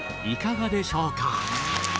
いかがでしょうか？